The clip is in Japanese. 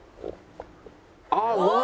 ああうまい！